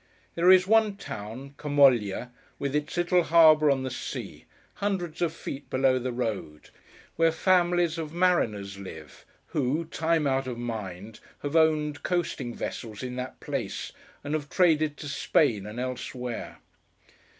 There is one town, Camoglia, with its little harbour on the sea, hundreds of feet below the road; where families of mariners live, who, time out of mind, have owned coasting vessels in that place, and have traded to Spain and elsewhere.